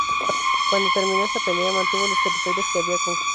Cuando terminó esa pelea, mantuvo los territorios que había conquistado.